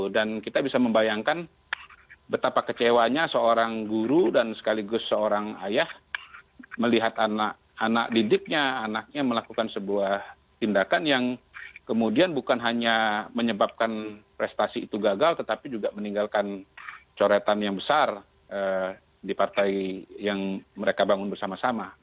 dan kita bisa membayangkan betapa kecewanya seorang guru dan sekaligus seorang ayah melihat anak didiknya anaknya melakukan sebuah tindakan yang kemudian bukan hanya menyebabkan prestasi itu gagal tetapi juga meninggalkan coretan yang besar di partai yang mereka bangun bersama sama